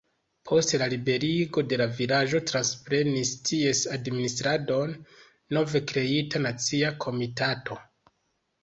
Post la liberigo de la vilaĝo transprenis ties administradon nove kreita nacia komitato.